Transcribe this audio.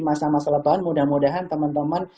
masa masa lebaran mudah mudahan teman teman